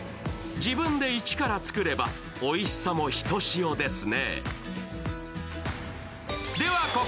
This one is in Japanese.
自分で一から作ればおいしさもひとしおですね。